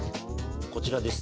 こちらです。